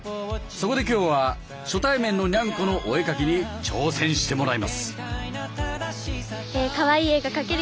そこで今日は初対面のニャンコのお絵描きに挑戦してもらいます。